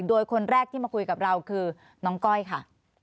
โดยคนแรกที่มาคุยกับเราคือน้องก้อยค่ะ